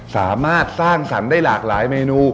สามารถสร้างสรรค์ได้หลากหลายเมนู